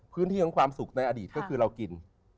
พื้นที่ของความสุขในอดีตก็คือเรากิน